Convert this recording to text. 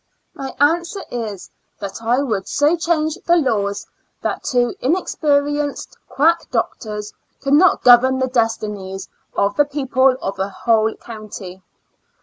My answer is, that I would so change the laws that two inexpe rienced quack doctors could not govern the destinies of the people of a whole county.